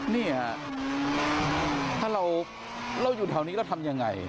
นี่ฮะถ้าเราอยู่แถวนี้เราทำยังไง